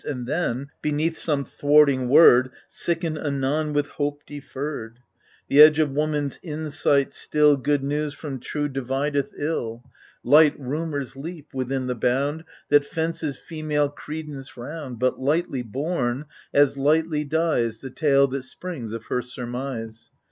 And then, beneath some thwarting word, Sicken anon with hope deferred. The edge of woman's insight still Good news from true divideth ill ; AGAMEMNON 23 Light rumours leap within the bound That fences female credence round, But, lightly bom, as lightly dies The tale that springs of her surmise.